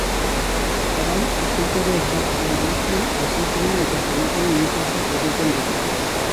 Orain eskultore bat bailitzan azeitunen eta tomateen imitazioak egiten ditu.